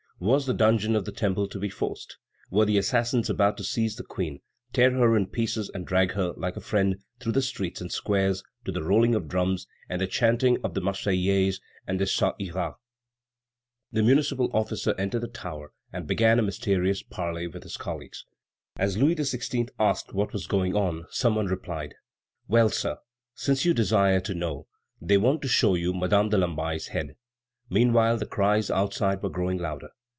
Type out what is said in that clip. Was the dungeon of the Temple to be forced? Were the assassins about to seize the Queen, tear her in pieces, and drag her, like her friend, through streets and squares to the rolling of drums and the chanting of the Marseillaise and the Ça ira? A municipal officer entered the tower and began a mysterious parley with his colleagues. As Louis XVI. asked what was going on, some one replied: "Well, sir, since you desire to know, they want to show you Madame de Lamballe's head." Meanwhile the cries outside were growing louder.